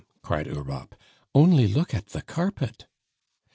cried Europe, "only look at the carpet!"